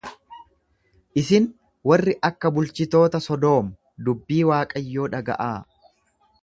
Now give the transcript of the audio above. Isin warri akka bulchitoota Sodoom dubbii Waaqayyoo dhaga'aa!